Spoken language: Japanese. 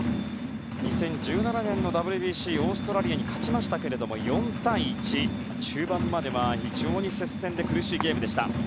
２０１７年のＷＢＣではオーストラリアに勝ちましたが４対１で中盤までは非常に接戦で苦しいゲームでした。